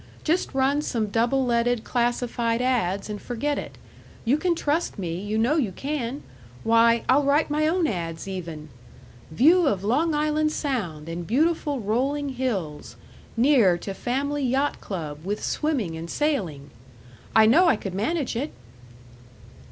Just run some double leaded classified ads. and forget it. You can trust me; you know you can. Why, I'll write my own ads., even: 'View of Long Island Sound, and beautiful rolling hills. Near to family yacht club, with swimming and sailing.' I know I could manage it."